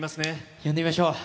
呼んでみましょう。